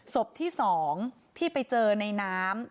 ศพที่๒ที่ไปเจอในน้ำ